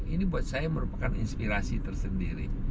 ini buat saya merupakan inspirasi tersendiri